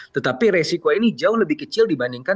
tetapi resiko ini jauh lebih kecil dibandingkan